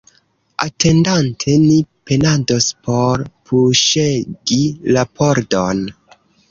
Atendante, ni penados por puŝegi la pordon.